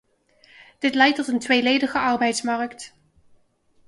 Dit leidt tot een tweeledige arbeidsmarkt.